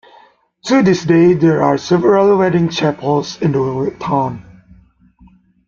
To this day, there are several wedding chapels in the town.